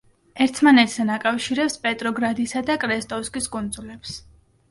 ერთმანეთთან აკავშირებს პეტროგრადისა და კრესტოვსკის კუნძულებს.